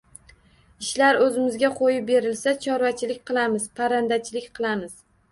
Ishlar o‘zimizga qo‘yib berilsa, chorvachilik qilamiz, parrandachilik qilamiz